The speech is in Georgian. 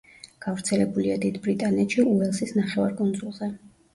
გავრცელებულია დიდ ბრიტანეთში, უელსის ნახევარკუნძულზე.